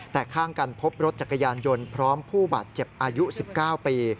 แต่ข้างกันพบรถจักรยานยนต์พร้อมผู้บาดเจ็บอายุ๑๙ปี